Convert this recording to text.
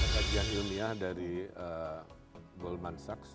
kajian ilmiah dari goldman sachs